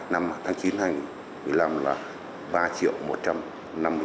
năm tháng chín hai nghìn một mươi năm là